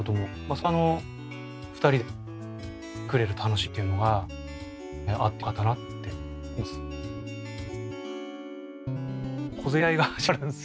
そこは２人で作れる楽しみっていうのがあってよかったなって思います。